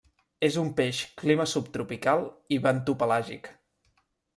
És un peix clima subtropical i bentopelàgic.